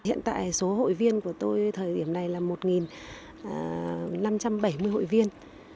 hiện tại số hội viên của tôi thời điểm này là một năm trăm bảy mươi hội viên